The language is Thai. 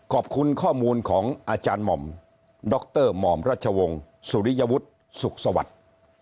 ขอบคุณข้อมูลของอาจารย์หม่อมดรหม่อมรัชวงศ์สุริยวุฒิสุขสวัสดิ์